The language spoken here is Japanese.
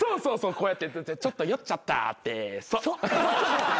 こうやってちょっと酔っちゃったってそっ！